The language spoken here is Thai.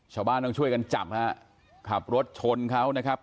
ชาวบ้านต้องช่วยกันจับฮะขับรถชนเขานะครับ